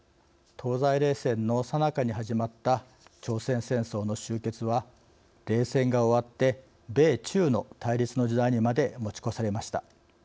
東西冷戦のさなかに始まった朝鮮戦争の終結は冷戦が終わって米中の対立の時代にまで持ち越されました。